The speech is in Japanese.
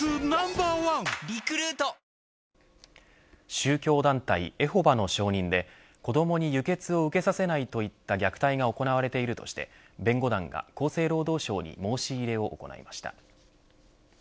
宗教団体エホバの証人で子どもに輸血を受けさせないといった虐待が行われているとして弁護団が、厚生労働省に申し入れを行いました。